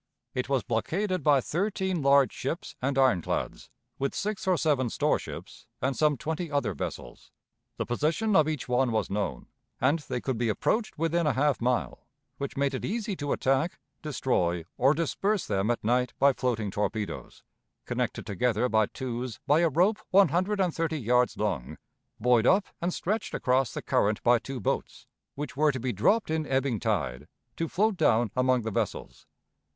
It was blockaded by thirteen large ships and ironclads, with six or seven storeships, and some twenty other vessels. The position of each one was known, and they could be approached within a half mile, which made it easy to attack, destroy, or disperse them at night by floating torpedoes, connected together by twos by a rope one hundred and thirty yards long, buoyed up and stretched across the current by two boats, which were to be dropped in ebbing tide, to float down among the vessels.